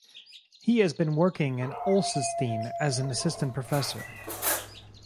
He has been working in Olsztyn as an assistant professor.